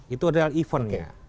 itu adalah eventnya